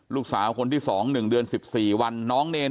ลูกสาวคนที่๒หนึ่งเดือน๑๔วัน